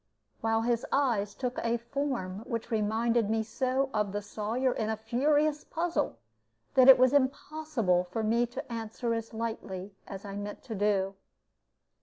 while his eyes took a form which reminded me so of the Sawyer in a furious puzzle, that it was impossible for me to answer as lightly as I meant to do.